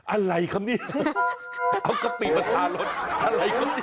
อะไรคำนี้เอากะปิมาท้ารถอะไรคำนี้